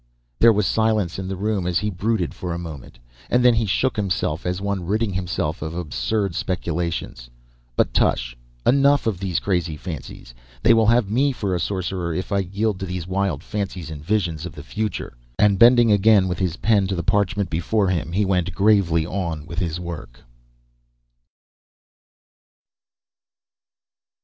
There was silence in the room as he brooded for a moment, and then he shook himself as one ridding himself of absurd speculations. "But tush enough of these crazy fancies. They will have me for a sorcerer if I yield to these wild fancies and visions of the future." And bending again with his pen to the parchment before him, he went gravely on with his work.